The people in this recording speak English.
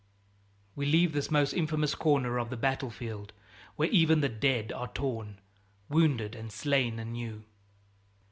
We leave this most infamous corner of the battlefield where even the dead are torn, wounded, and slain anew.